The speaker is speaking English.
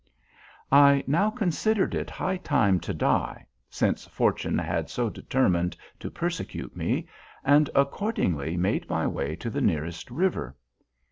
I now considered it high time to die (since fortune had so determined to persecute me), and accordingly made my way to the nearest river.